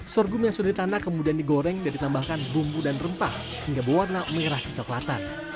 sorghum yang sudah ditanak kemudian digoreng dan ditambahkan bumbu dan rempah hingga berwarna merah kecoklatan